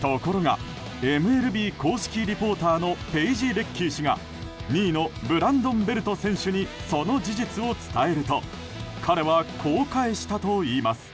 ところがＭＬＢ公式リポーターのペイジ・レッキー氏が２位のブランドン・ベルト選手にその事実を伝えると彼はこう返したといいます。